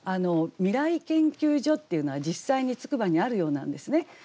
未来研究所っていうのは実際に筑波にあるようなんですね。